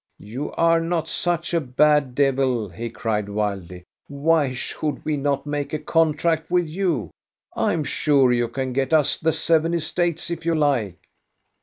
"You are not such a bad devil," he cried wildly. "Why should we not make a contract with you? I 'm sure you can get us the seven estates if you like."